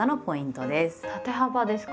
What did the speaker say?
縦幅ですか？